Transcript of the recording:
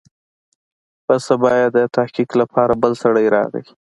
پر سبا يې د تحقيق لپاره بل سړى راغى.